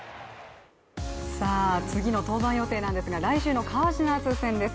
次の登板予定なんですが来週のカージナルス戦です。